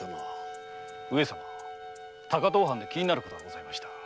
高遠藩で気になることがございました。